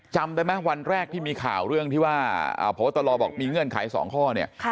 จำได้ไหมวันแรกที่มีข่าวเรื่องที่ว่าพบตรบอกมีเงื่อนไข๒ข้อเนี่ย